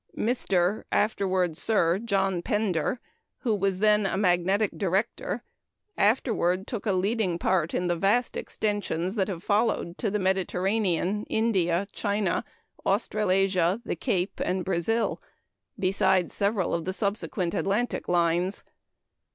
Mr. (afterward Sir John) Pender, who was then a "Magnetic" director, afterward took a leading part in the vast extensions that have followed to the Mediterranean, India, China, Australasia, the Cape, and Brazil, besides several of the subsequent Atlantic lines.